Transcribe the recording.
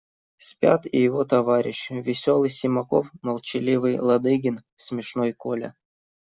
Спят и его товарищи: веселый Симаков, молчаливый Ладыгин, смешной Коля.